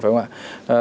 phải không ạ